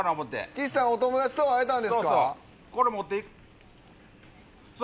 岸さん、お友達とは会えたんですか。